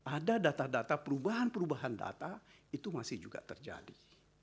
ada data data perubahan perubahan data itu masih juga terjadi